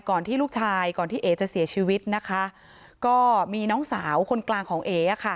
ที่ลูกชายก่อนที่เอ๋จะเสียชีวิตนะคะก็มีน้องสาวคนกลางของเอ๋อ่ะค่ะ